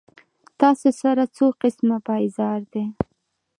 تا سره څو قسمه پېزار دي